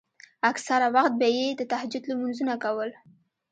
اکثره وخت به يې د تهجد لمونځونه کول.